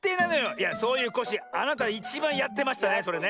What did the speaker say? いやそういうコッシーあなたいちばんやってましたねそれね。